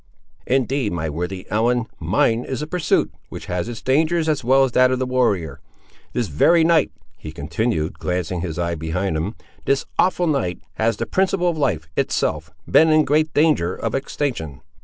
Indeed, my worthy Ellen, mine is a pursuit, which has its dangers as well as that of the warrior. This very night," he continued, glancing his eye behind him, "this awful night, has the principle of life, itself, been in great danger of extinction!"